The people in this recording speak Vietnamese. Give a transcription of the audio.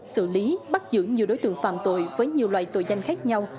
xử lý bắt giữ nhiều đối tượng phạm tội với nhiều loại tội danh khác nhau